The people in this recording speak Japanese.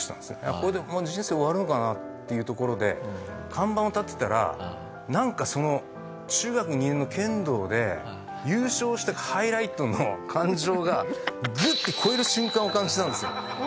これでもう人生終わるのかなっていうところで看板を立てたらなんかその中学２年の剣道で優勝したハイライトの感情がグッて超える瞬間を感じたんですよ。